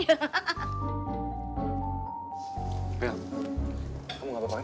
bel kamu gak apa apain